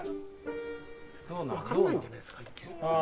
分からないんじゃないですか？